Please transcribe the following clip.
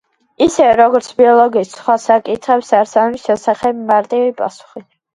ისევე, როგორც ბიოლოგიის სხვა საკითხებს, არც ამის შესახებ მარტივი პასუხი.